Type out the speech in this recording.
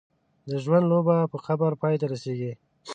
د ژوند لوبه په قبر پای ته رسېږي.